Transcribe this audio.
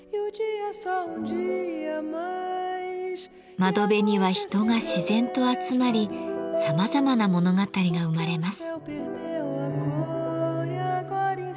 窓辺には人が自然と集まりさまざまな物語が生まれます。